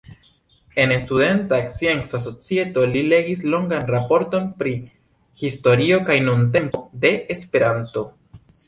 En Studenta Scienca Societo li legis longan raporton pri "historio kaj nuntempo de Esperanto".